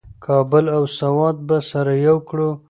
کابل او سوات به سره یو کړو.